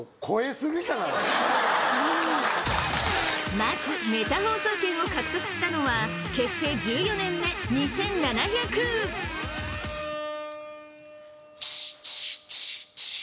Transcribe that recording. まずネタ放送権を獲得したのは結成１４年目チッチッチッチッ